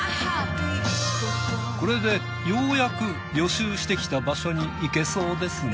これでようやく予習してきた場所に行けそうですね。